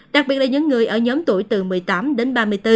đặc biệt là những người ở nhóm tuổi từ một mươi tám đến ba mươi bốn